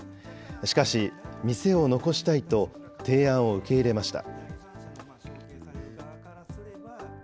しかし、店を残したいと、提案を受け入れました。